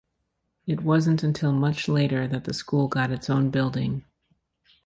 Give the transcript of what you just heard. It wasn't until much later that the school got its own building.